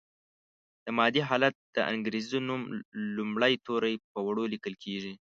د مادې حالت د انګریزي نوم لومړي توري په وړو لیکل کیږي.